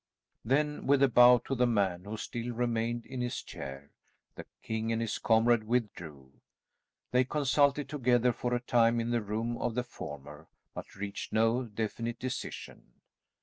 Then with a bow to the man who still remained in his chair, the king and his comrade withdrew. They consulted together for a time in the room of the former, but reached no definite decision.